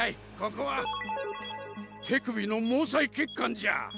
ここは手首の毛細血管じゃ。